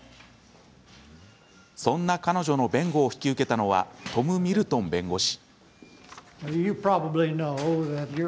そんな彼女の弁護を引き受けたのはトム・ミルトン弁護士。